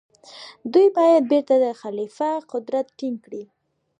دوی باید بيرته د خليفه قدرت ټينګ کړي.